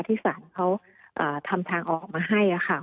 ที่ศาลเขาทำทางออกมาให้ค่ะ